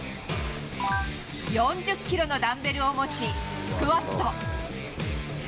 ４０キロのダンベルを持ち、スクワット。